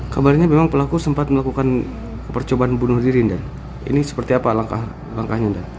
kabarnya memang pelaku sempat melakukan percobaan bunuh dirinda ini seperti apa langkahnya